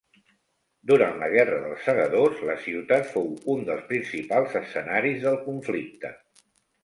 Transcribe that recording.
Durant la Guerra dels Segadors, la ciutat fou un dels principals escenaris del conflicte.